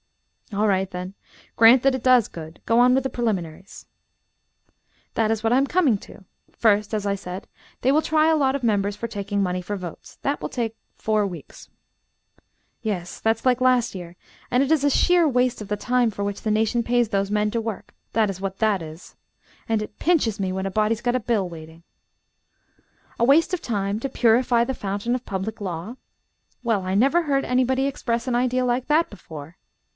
"All right, then; grant that it does good; go on with the preliminaries." "That is what I am coming to. First, as I said, they will try a lot of members for taking money for votes. That will take four weeks." "Yes, that's like last year; and it is a sheer waste of the time for which the nation pays those men to work that is what that is. And it pinches when a body's got a bill waiting." "A waste of time, to purify the fountain of public law? Well, I never heard anybody express an idea like that before.